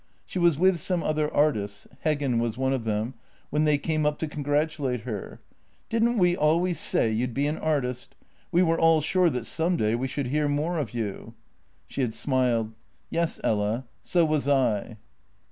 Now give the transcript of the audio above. She was with some other artists — Heggen was one of them — when they came up to congratulate her: "Didn't we always say you'd be an artist? We were all sure that some day we should hear more of you." She had smiled: "Yes, Ella; so was I."